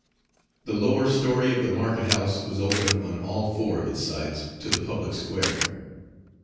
The lower story of the market house was open on all four of its sides to the public square.